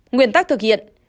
nguyên tắc thực hiện